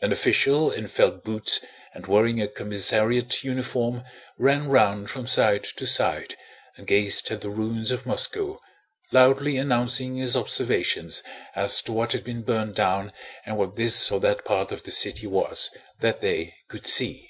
An official in felt boots and wearing a commissariat uniform ran round from side to side and gazed at the ruins of Moscow, loudly announcing his observations as to what had been burned down and what this or that part of the city was that they could see.